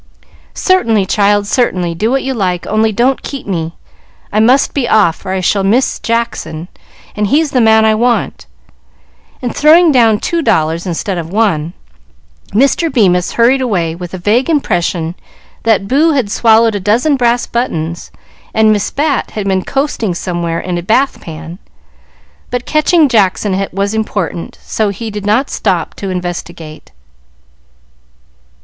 "Certainly, child, certainly; do what you like, only don't keep me. I must be off, or I shall miss Jackson, and he's the man I want;" and, throwing down two dollars instead of one, Mr. Bemis hurried away, with a vague impression that Boo had swallowed a dozen brass buttons, and Miss Bat had been coasting somewhere in a bath pan; but catching Jackson was important, so he did not stop to investigate.